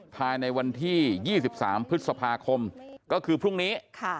ภายในวันที่๒๓พฤษภาคมก็คือพรุ่งนี้